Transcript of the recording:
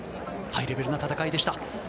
ハイレベルな戦いでした。